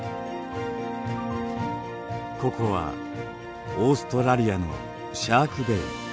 ここはオーストラリアのシャークベイ。